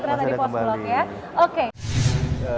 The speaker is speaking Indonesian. masa ada kembali ya oke